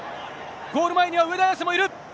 ゴール前には上田綺世もいる。